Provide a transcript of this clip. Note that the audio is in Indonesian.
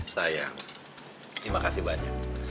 sayang terima kasih banyak